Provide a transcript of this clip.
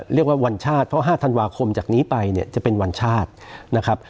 เรียกว่าวันชาติเพราะ๕ธันวาคมจากนี้ไปเนี่ยจะเป็นวันชาตินะครับ